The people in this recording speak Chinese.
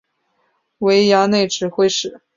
为衙内指挥使。